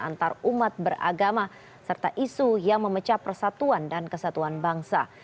antarumat beragama serta isu yang memecah persatuan dan kesatuan bangsa